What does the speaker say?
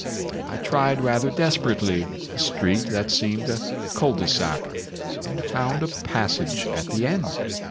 I tried rather desperately a street that seemed a cul de sac, and found a passage at the end.